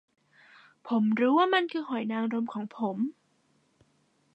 ผมรู้ว่ามันคือหอยนางรมของผม